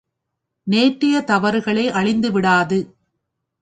நேற்றைய தவறுகளே அழிந்துவிடாது.